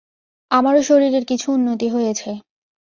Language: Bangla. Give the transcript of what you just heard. আমারও শরীরের কিছু উন্নতি হয়েছে।